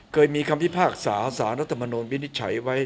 เคยมีคำพิพากษาสารรัฐมนุนวินิจฉัยไว้